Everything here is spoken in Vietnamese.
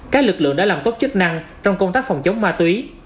các lực lượng đã làm tốt chức năng trong công tác phòng chống ma túy